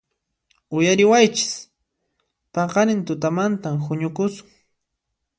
¡Uyariwaychis! ¡Paqarin tutamantan huñukusun!